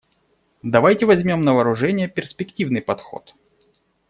Давайте возьмем на вооружение перспективный подход.